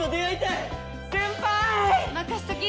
任せとき！